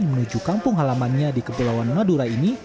menuju kampung halamannya di kepulauan madura ini